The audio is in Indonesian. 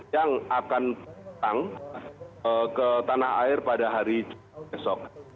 yang akan datang ke tanah air pada hari esok